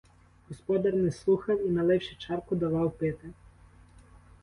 Господар не слухав і, наливши чарку, давав пити.